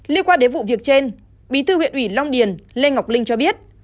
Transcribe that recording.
liên quan đến vụ việc trên bí thư huyện ủy long điền lê ngọc linh cho biết